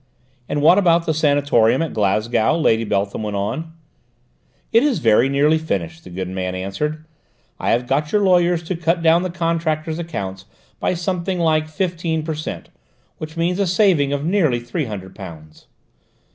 "And what about the sanatorium at Glasgow?" Lady Beltham went on. "It is very nearly finished," the good man answered. "I have got your lawyers to cut down the contractor's accounts by something like fifteen per cent, which means a saving of nearly three hundred pounds."